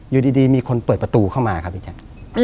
อยู่ดีมีคนเปิดประตูเข้ามาครับพี่แจ๊ค